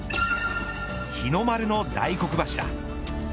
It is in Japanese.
日の丸の大黒柱。